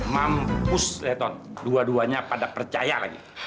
mampus leton dua duanya pada percaya lagi